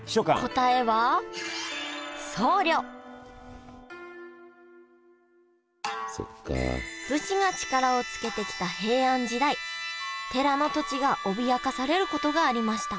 答えは武士が力をつけてきた平安時代寺の土地が脅かされることがありました